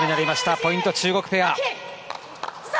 ポイント、中国ペア。